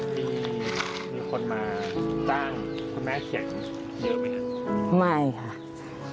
มีคนมาจ้างคุณแม่เขียนเยอะไหมครับไม่ค่ะ